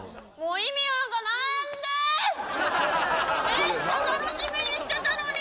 めっちゃ楽しみにしてたのに！